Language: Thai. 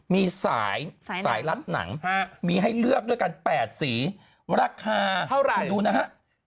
มีสายสายรัดหนังมีให้เลือกด้วยกัน๘สีราคาเท่าไหร่คุณดูนะฮะ